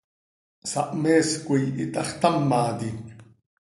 ¿Sahmees coi itaxtámati?